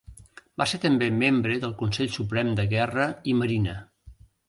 Va ser també membre del Consell Suprem de Guerra i Marina.